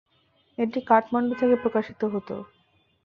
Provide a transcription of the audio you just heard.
এটি কাঠমান্ডু থেকে প্রকাশিত হতো।